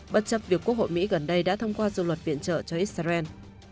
bất chấp việc quốc hội mỹ gần đây đã thông qua dư luận viện trợ cho israel